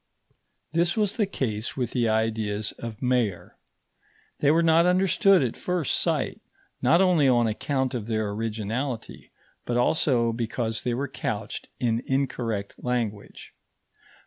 This was the case with the ideas of Mayer. They were not understood at first sight, not only on account of their originality, but also because they were couched in incorrect language.